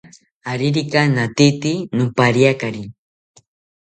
Aririka natete nopariekari